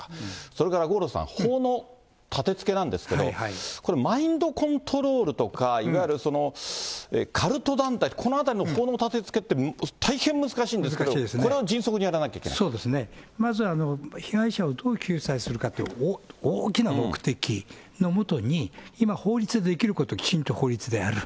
それから五郎さん、法のたてつけなんですけど、これ、マインドコントロールとか、いわゆるカルト団体、このあたりの法のたてつけって、大変難しいんですけど、これを迅そうですね、まず、被害者をどう救済するかと、大きな目的のもとに、今、法律でできること、きちんと法律でやる。